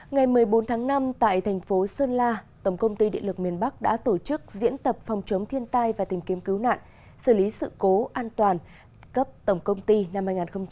ngày một mươi bốn tháng năm tại thành phố sơn la tổng công ty điện lực miền bắc đã tổ chức diễn tập phòng chống thiên tai và tìm kiếm cứu nạn xử lý sự cố an toàn cấp tổng công ty năm hai nghìn hai mươi ba